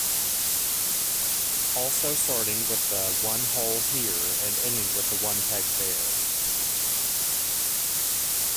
Also starting with one hole "here" and ending with one peg "there".